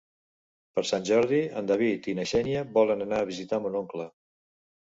Per Sant Jordi en David i na Xènia volen anar a visitar mon oncle.